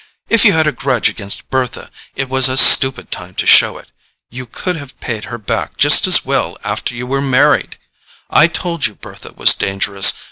If you had a grudge against Bertha it was a stupid time to show it—you could have paid her back just as well after you were married! I told you Bertha was dangerous.